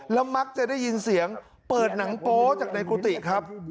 แล้วมักจะได้ยินเสียงเปิดหนังโป๊จากในกุฏิครับ